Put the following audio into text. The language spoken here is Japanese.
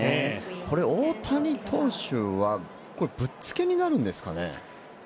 大谷投手はぶっつけになるんですかね。